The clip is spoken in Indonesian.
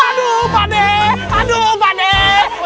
aduh pak nek aduh pak nek